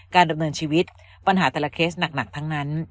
ดำเนินชีวิตปัญหาแต่ละเคสหนักทั้งนั้น